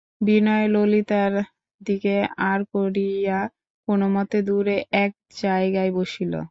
বিনয় ললিতার দিকে আড় করিয়া কোনোমতে দূরে এক জায়গায় বসিল।